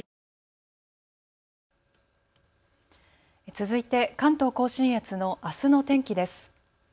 続いて関東甲信越のあすの天気です。